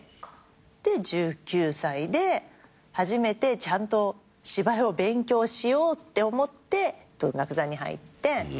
で１９歳で初めてちゃんと芝居を勉強しようって思って文学座に入って。